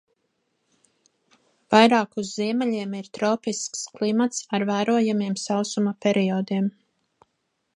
Vairāk uz ziemeļiem ir tropisks klimats ar vērojamiem sausuma periodiem.